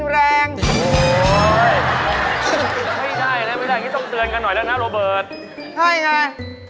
ใช่ไง